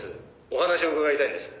「お話を伺いたいんです」